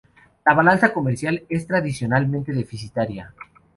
La balanza comercial es tradicionalmente deficitaria.